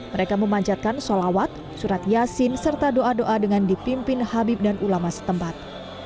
mereka memanjatkan sholawat surat yasin serta doa doa dengan dipimpin habib dan ulama setempat